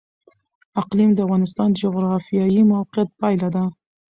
اقلیم د افغانستان د جغرافیایي موقیعت پایله ده.